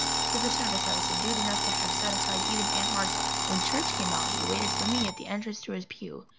Through the service I was subdued enough to have satisfied even Aunt Martha. When church came out, he waited for me at the entrance to his pew.